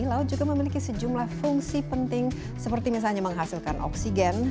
laut juga memiliki sejumlah fungsi penting seperti misalnya menghasilkan oksigen